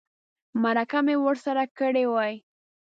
مرکه مې ورسره کړې وای.